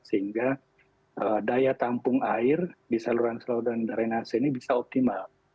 sehingga daya tampung air di saluran seluruh daerah nasi ini bisa optimal